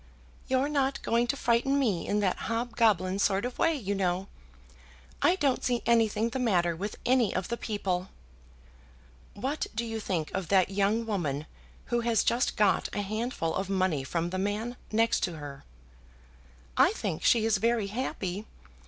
"You're not going to frighten me in that hobgoblin sort of way, you know. I don't see anything the matter with any of the people." "What do you think of that young woman who has just got a handful of money from the man next to her?" "I think she is very happy.